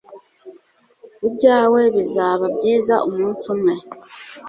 Ibyawe bizaba byiza umunsi umwe